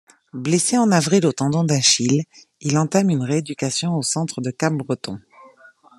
Blessé en avril au tendon d'achille, il entâme une rééducation au centre de Capbreton.